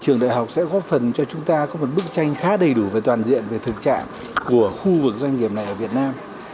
trường đại học sẽ góp phần cho chúng ta có một bức tranh khá đầy đủ và toàn diện về thực trạng của khu vực doanh nghiệp này ở việt nam